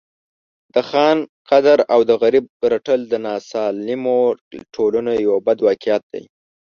د خان قدر او د غریب رټل د ناسالمو ټولنو یو بد واقعیت دی.